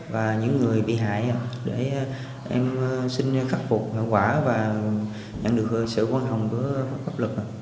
và những người bị hại để em xin khắc phục hợp quả và nhận được sự quan hồng của pháp luật